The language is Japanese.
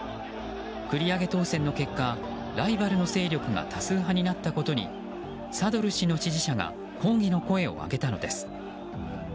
繰り上げ当選の結果ライバルの勢力が多数派になったことにサドル師の支持者が抗議の声を上げたのです。